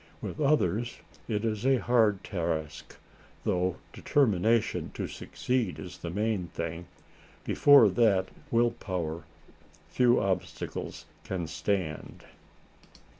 With others it is a hard task, though determination to succeed is the main thing. Before that will power, few obstacles can stand.